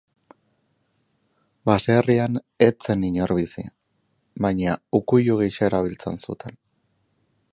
Baserrian ez zen inor bizi, baina ukuilu gisa erabiltzen zuten.